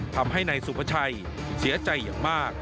ทำให้นายสุภาชัยเสียใจอย่างมาก